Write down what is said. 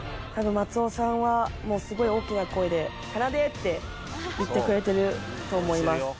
松尾さんはすごい大きな声で言ってくれてると思います